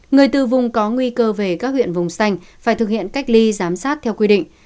người từ vùng có nguy cơ về các huyện vùng xanh phải thực hiện cách ly giám sát theo quy định